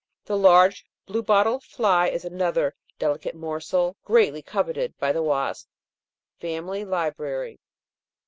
The large blue bottle fly is another delicate morsel greatly coveted by the wasp." Family Library.